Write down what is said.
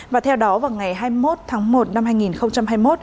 và theo đó vào ngày hai mươi một tháng một năm hai nghìn hai mươi một